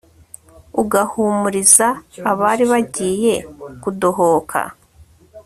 ugahumuriza abari bagiye kudohoka